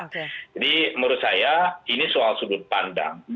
jadi menurut saya ini soal sudut pandang